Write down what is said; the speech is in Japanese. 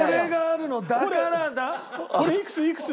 これいくついくつ？